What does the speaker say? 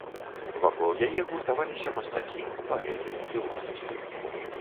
Вакол яе гуртаваліся мастакі, паэты, філосафы.